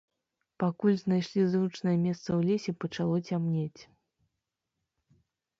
Пакуль знайшлі зручнае месца ў лесе, пачало цямнець.